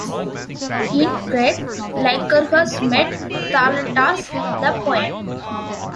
In Crete, Lycurgus met Thaletas the poet.